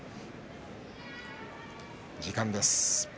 時間です。